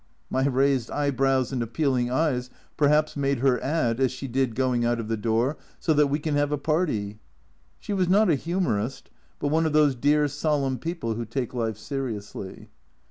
My raised eyebrows and appealing eyes perhaps made her add, as she did going out of the door, "so that we can have a party." She was not a humorist, but one of those dear, solemn people who take life seriously.